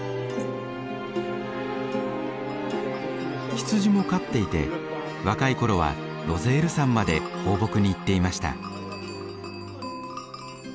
羊も飼っていて若い頃はロゼール山まで放牧に行っていました。